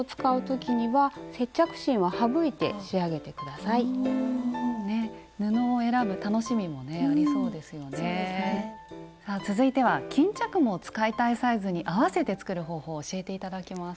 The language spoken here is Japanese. さあ続いては巾着も使いたいサイズに合わせて作る方法を教えて頂きます。